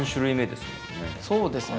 そうですね